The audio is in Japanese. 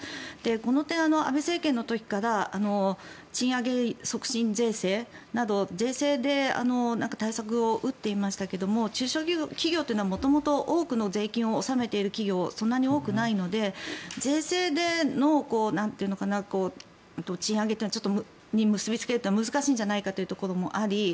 この点、安倍政権の時から賃上げ促進税制税制で対策を打っていましたけども中小企業というのは元々多くの税金を納めている企業はそんなに多くないので税制での賃上げというのは難しいんじゃないかというのもあり。